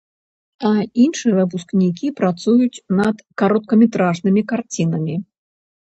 А іншыя выпускнікі працуюць над кароткаметражнымі карцінамі.